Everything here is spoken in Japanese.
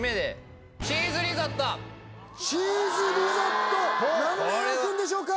チーズリゾット何面あくんでしょうか？